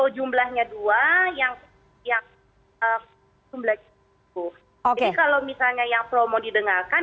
jadi kalau misalnya yang pro mau didengarkan